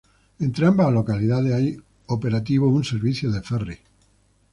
Entre ambas localidades hay operativo un servicio de "ferry".